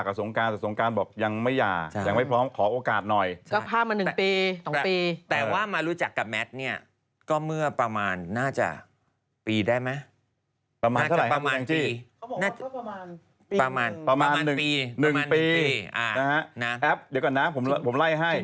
เออขอบใจนะพี่ช่วยแอปนี้แอปนี้คือนะแอปแยกกับสงการเนี่ย๒ปี